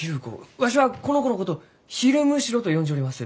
わしはこの子のこと「ヒルムシロ」と呼んじょります。